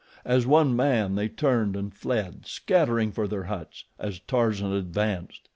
As one man they turned and fled, scattering for their huts, as Tarzan advanced.